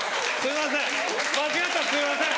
すいません！